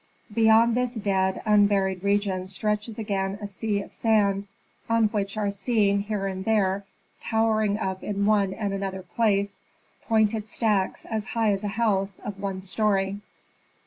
Beyond this dead, unburied region stretches again a sea of sand, on which are seen, here and there, towering up in one and another place, pointed stacks as high as a house of one story.